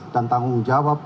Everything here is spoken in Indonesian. dan tanggung jawab